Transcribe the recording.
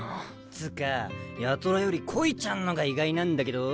つか八虎より恋ちゃんのが意外なんだけど。